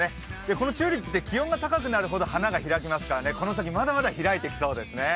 このチューリップって気温が高くなるほど花が開きますからね、この先、まだまだ開いてきそうですね。